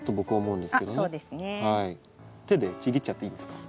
手でちぎっちゃっていいですか？